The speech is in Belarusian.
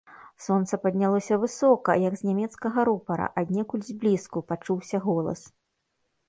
Сонца паднялося высока, як з нямецкага рупара, аднекуль зблізку, пачуўся голас.